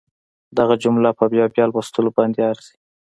دغه جمله په بیا بیا لوستلو باندې ارزي